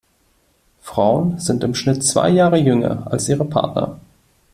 Frauen sind im Schnitt zwei Jahre jünger als ihre Partner.